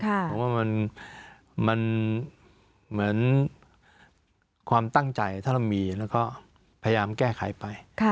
เพราะว่ามันเหมือนความตั้งใจถ้าเรามีแล้วก็พยายามแก้ไขไป